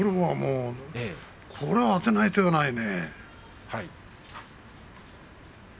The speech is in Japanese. それはあてない手はないね。